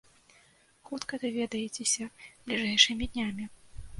Хутка даведаецеся, бліжэйшымі днямі.